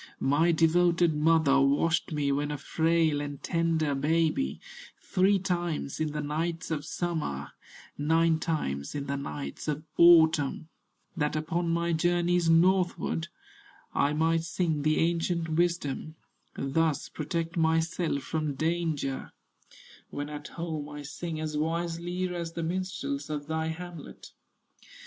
"My devoted mother washed me, When a frail and tender baby, Three times in the nights of summer, Nine times in the nights of autumn, That upon my journeys northward I might sing the ancient wisdom, Thus protect myself from danger; When at home I sing as wisely As the minstrels of thy hamlet."